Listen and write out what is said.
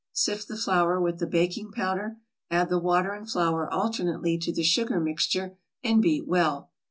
Sift the flour with the baking powder. Add the water and flour alternately to the sugar mixture, and beat well.